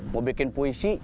mau bikin puisi